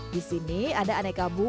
di sini ada aneka bumi